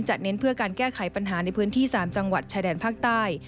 เน้นเพื่อการแก้ไขปัญหาในพื้นที่๓จังหวัดชายแดนภาคใต้